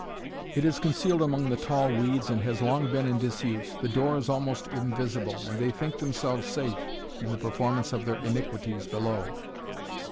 "It is concealed among tall weeds and has long been in disuse. The door is almost invisible and they think themselves safe in the performance of their iniquities below."